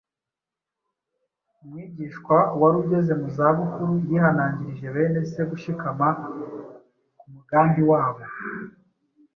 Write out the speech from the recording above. umwigishwa wari ugeze mu za bukuru yihanangirije bene Se gushikama ku mugambi wabo